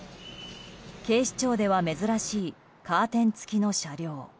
警視庁では珍しいカーテン付きの車両。